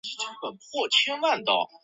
阿多尼是印度安得拉邦的一座城市。